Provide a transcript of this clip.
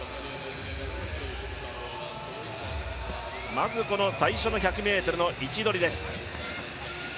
まず最初の１００ｍの位置取りです。